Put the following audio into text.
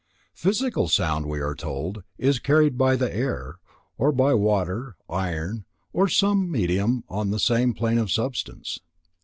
Physical sound, we are told, is carried by the air, or by water, iron, or some medium on the same plane of substance.